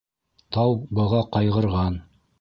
Тау быға ҡайғырған.